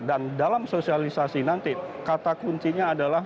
dan dalam sosialisasi nanti kata kuncinya adalah